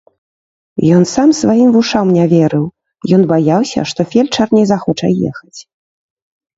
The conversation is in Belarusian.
Ён сам сваім вушам не верыў, ён баяўся, што фельчар не захоча ехаць.